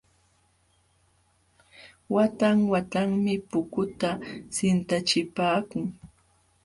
Watan watanmi pukuta sintachipaakun.